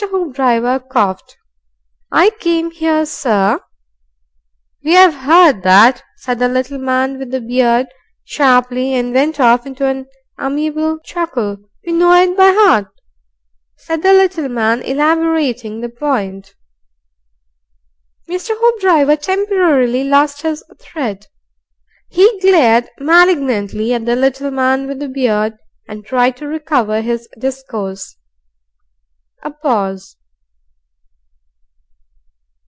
Hoopdriver coughed. "I came, here, sir " "We've 'eard that," said the little man with the beard, sharply and went off into an amiable chuckle. "We know it by 'art," said the little man, elaborating the point. Mr. Hoopdriver temporarily lost his thread. He glared malignantly at the little man with the beard, and tried to recover his discourse. A pause.